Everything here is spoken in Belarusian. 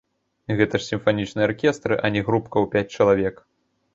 Гэта ж сімфанічны аркестр, а не групка ў пяць чалавек!